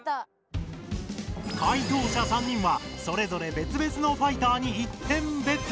解答者３人はそれぞれべつべつのファイターに１点ベット！